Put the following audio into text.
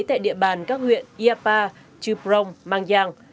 tại địa bàn các huyện iapa chư prong mang giang